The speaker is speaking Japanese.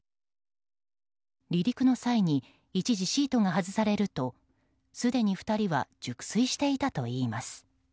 離陸の際に、一時シートが外されるとすでに２人は熟睡していたといいます。